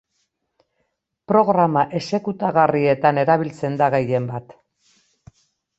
Programa exekutagarrietan erabiltzen da gehienbat.